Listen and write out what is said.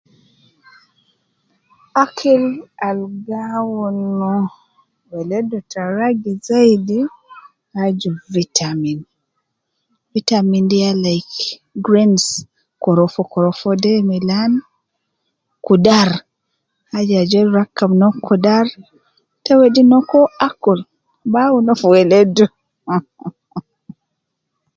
Akil al gaawunu weledu ta ragi zaidi aju vitamin. vitamin de ya like greens, korofo korofo de milan, kudar aju ajol rakab noo kudar, tewedi noo koo akkul bi awunu uwo fi weledu mh mh mh.